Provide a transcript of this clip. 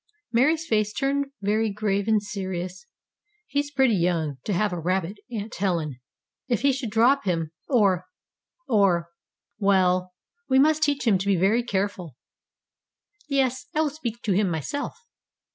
Mary's face turned very grave and serious. "He's pretty young to have a rabbit, Aunt Helen. If he should drop him or or Well, we must teach him to be very careful." "Yes, I will speak to him myself."